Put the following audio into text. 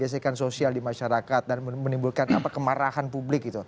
menimbulkan kesekan sosial di masyarakat dan menimbulkan kemarahan publik